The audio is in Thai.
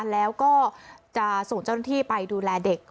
แล้วก็จะส่งเจ้าหน้าที่ไปดูแลเด็ก